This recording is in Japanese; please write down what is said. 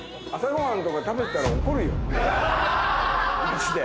マジで。